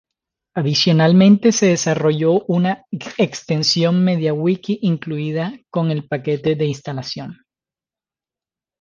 Adicionalmente se desarrolló una extensión MediaWiki incluida con el paquete de instalación.